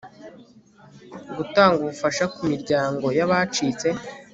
gutanga ubufasha ku miryango y abacitse